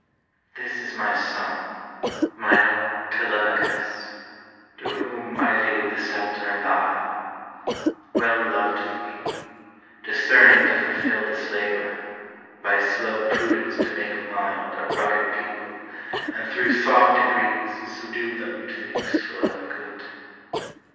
This is my son, mine own Telemachus, To whom I leave the sceptre and the isle — Well loved of me, discerning to fulfil This labor, by slow prudence to make mild A rugged people, and through soft degn Subdue them to the useful and the good.